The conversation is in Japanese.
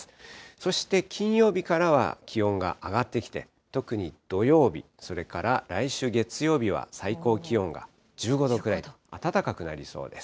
そして金曜日からは気温が上がってきて、特に土曜日、それから来週月曜日は最高気温が１５度くらいと暖かくなりそうです。